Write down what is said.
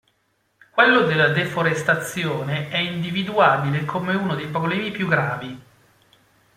Quello della deforestazione è individuabile come uno dei problemi più gravi.